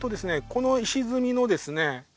この石積みのですね